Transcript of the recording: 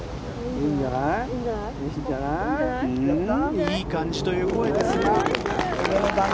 いい感じという声ですが。